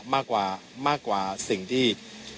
มากกว่าสิ่งที่ทั่วไป